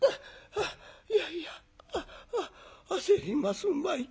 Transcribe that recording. いやいやはあはあ焦りますまい。